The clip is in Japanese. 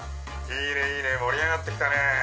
いいねいいね盛り上がって来たね。